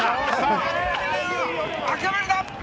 諦めるな。